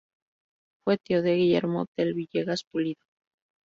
Fue tío de Guillermo Tell Villegas Pulido.